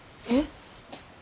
えっ？